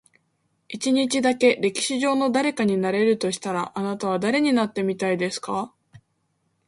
一日だけ、歴史上の誰かになれるとしたら、あなたは誰になってみたいですか？